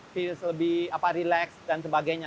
virus lebih relax dan sebagainya